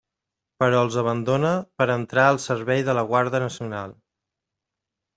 Però els abandona per entrar al servei de la Guarda nacional.